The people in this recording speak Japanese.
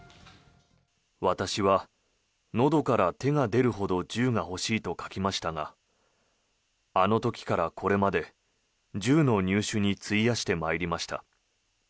私は、のどから手が出るほど銃が欲しいと書きましたがあの時からこれまで、銃の入手に費やしてまいりました。